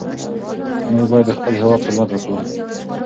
موږ باید د خپل هېواد خدمت وکړو.